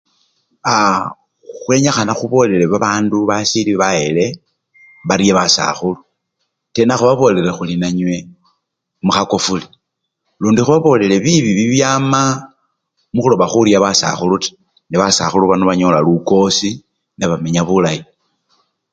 Aa! khwenyikhana khubolele babandu basili bayele barye basakhulu tena khubabolele khuri nanywe mukha kofule, lundi khubabolele bibii bibyama mukhuloba khurya basakhulu taa, nebasakhulu bano banyola lukosi nebamenya bulayi.